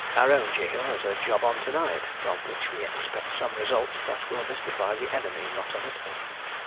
Our own Jehu has a job on to night, from which we expect some results that will mystify the enemy not a little.